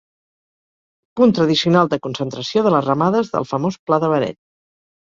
Punt tradicional de concentració de les ramades del famós Pla de Beret.